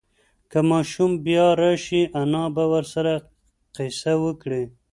که ماشوم بیا راشي، انا به ورسره قصه وکړي.